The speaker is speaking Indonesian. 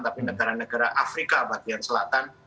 tapi negara negara afrika bagian selatan